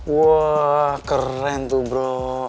wah keren tuh bro